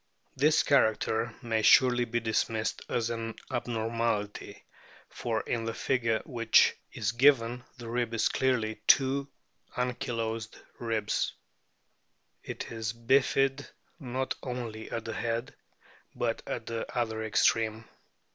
This character may surely be dismissed as an abnormality, for in the figure which is given the rib is clearly two ankylosed ribs ; it is bifid not only at the head, but at the other extreme.